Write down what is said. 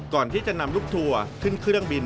ก่อนที่จะนำลูกทัวร์ขึ้นเครื่องบิน